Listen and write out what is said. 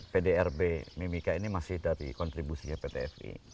pdrb mimika ini masih dari kontribusinya pt fi